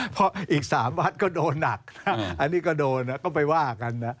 เพราะอีก๓วัดก็โดนหนักอันนี้ก็โดนก็ไปว่ากันนะ